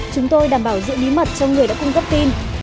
chúng tôi đảm bảo giữ bí mật cho người đã cung cấp tin